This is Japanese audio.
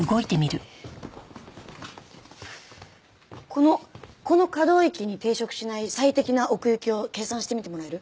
このこの可動域に抵触しない最適な奥行きを計算してみてもらえる？